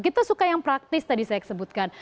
kita suka yang praktis tadi saya sebutkan